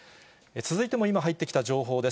続いても今入ってきた情報です。